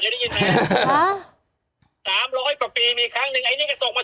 ได้ยินไหมสามร้อยกว่าปีมีครั้งหนึ่งไอ้นี่ก็ส่งมา